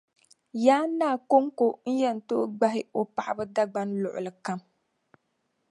Yaan Naa koŋko n-yɛn tooi gbahi o paɣaba dagbaŋ luɣilikam